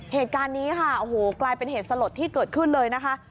เหตุการณ์นี้ค่ะโอ้โหกลายเป็นเหตุสลดที่เกิดขึ้นเลยนะคะ